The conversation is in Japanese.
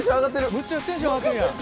むっちゃテンション上がってるやん。